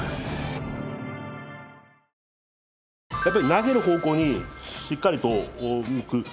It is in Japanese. やっぱり投げる方向にしっかりと向く。